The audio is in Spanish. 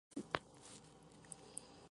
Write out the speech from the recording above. Astrología Física.